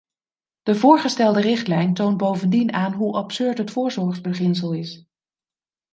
De voorgestelde richtlijn toont bovendien aan hoe absurd het voorzorgsbeginsel is.